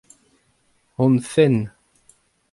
hon fenn.